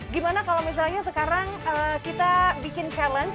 gimana kalau misalnya sekarang kita bikin challenge